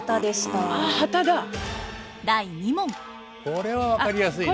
これは分かりやすいよ。